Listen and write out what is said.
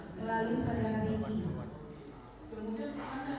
sebelum saudara memposting di sana